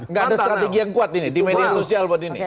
nggak ada strategi yang kuat ini di media sosial buat ini